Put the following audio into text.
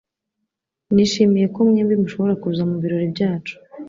Nishimiye ko mwembi mushobora kuza mubirori byacu.